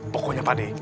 pokoknya pak ade